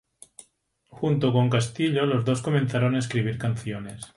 Junto con Castillo, los dos comenzaron a escribir canciones.